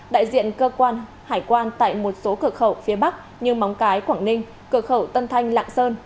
đại diện cơ quan hải quan tại một số cửa khẩu phía bắc như móng cái quảng ninh cửa khẩu tân thanh lạng sơn